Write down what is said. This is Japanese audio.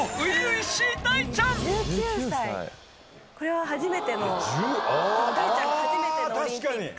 これは初めての大ちゃんが初めてのオリンピック。